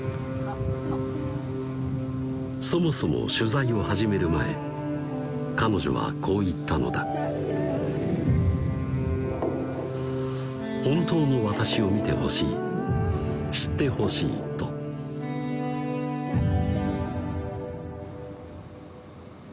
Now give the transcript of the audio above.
そもそも取材を始める前彼女はこう言ったのだ「本当の私を見てほしい知ってほしい」とでも１０代後半は難しかったですね